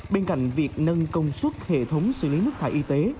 bên cạnh việc nâng công suất hệ thống xử lý nước thải y tế